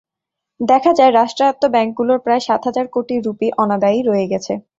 দেখা যায়, রাষ্ট্রায়ত্ত ব্যাংকগুলোর প্রায় সাত হাজার কোটি রুপি অনাদায়ি রয়ে গেছে।